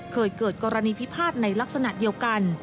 เคยเกิดกรณีพิพาทในลักษณะเดียวกัน